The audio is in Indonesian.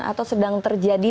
atau sedang terjadi